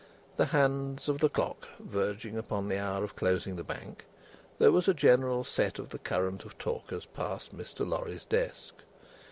The hands of the clock verging upon the hour of closing the Bank, there was a general set of the current of talkers past Mr. Lorry's desk.